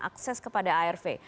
akses kepada arv